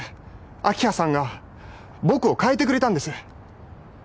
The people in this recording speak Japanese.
明葉さんが僕を変えてくれたんです